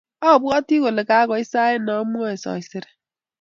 abwati kole kagoit sait namwoe saisere